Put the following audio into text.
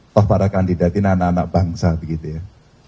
toh para kandidat ini anak anak bangsa begitu ya